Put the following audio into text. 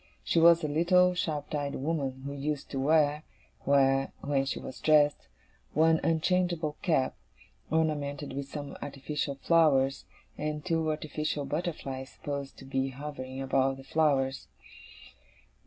She was a little, sharp eyed woman, who used to wear, when she was dressed, one unchangeable cap, ornamented with some artificial flowers, and two artificial butterflies supposed to be hovering above the flowers.